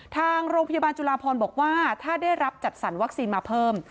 ทางโรงพยาบาลจุลาพรบอกว่าถ้าได้รับจัดสรรวัคซีนมาเพิ่ม